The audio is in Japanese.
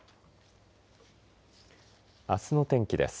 あすの天気です。